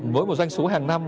mỗi một doanh số hàng năm